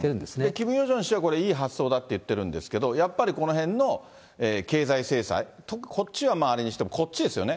キム・ヨジョン氏は、これ、いい発想だと言ってるんですが、やっぱり、このへんの経済制裁、こっちはあれにしても、こっちですよね。